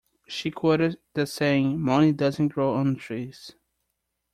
She quoted the saying: money doesn't grow on trees.